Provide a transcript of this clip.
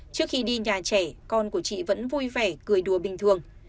trước khi đi nhà trẻ con của chị vẫn vui vẻ cười đùa bình thường